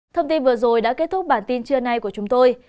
thông tin vừa rồi đã kết thúc bản tin trưa nay của chúng tôi